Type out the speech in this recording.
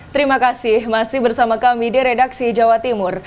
terima kasih masih bersama kami di redaksi jawa timur